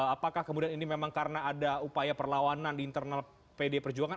apakah kemudian ini memang karena ada upaya perlawanan di internal pdi perjuangan